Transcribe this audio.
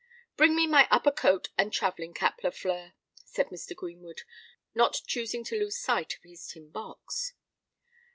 "Bring me my upper coat and travelling cap, Lafleur," said Mr. Greenwood, not choosing to lose sight of his tin box.